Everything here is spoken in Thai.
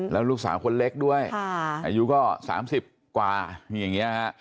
แล้วลูกสาวคนเล็กด้วยอายุก็๓๐กว่าอย่างนี้ฮะ